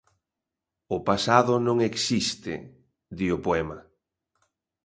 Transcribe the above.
"O pasado non existe", di o poema.